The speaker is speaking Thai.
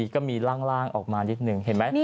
ก็มีร่างออกมานิดหนึ่งเห็นไหม